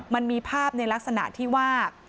มันมีภาพในลักษณะที่ว่า